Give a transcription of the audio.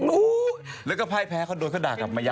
รู้แล้วก็พ่ายแพ้เขาโดนเขาด่ากลับมาเยอะ